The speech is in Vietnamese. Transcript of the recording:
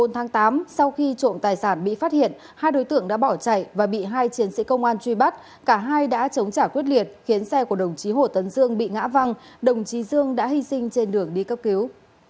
bốn tháng tám sau khi trộm tài sản bị phát hiện hai đối tượng đã bỏ chạy và bị hai chiến sĩ công an truy bắt cả hai đã chống trả quyết liệt khiến xe của đồng chí hồ tấn dương bị ngã văng đồng chí dương đã hy sinh trên đường đi cấp cứu